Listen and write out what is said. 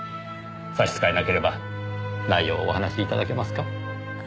差し支えなければ内容をお話し頂けますか？